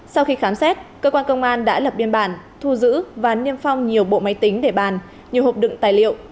sau khi khám xét cơ quan công an đã lập biên bản thu giữ và niêm phong nhiều bộ máy tính để bàn nhiều hộp đựng tài liệu